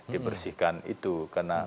dibersihkan itu karena